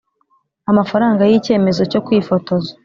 Amafaranga y icyemezo cyo kwifotoza